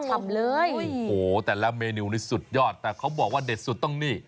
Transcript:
โอ้โหแต่ละเมนูนี่สุดยอดแต่เค้าบอกว่าเด็ดสุดต้องมี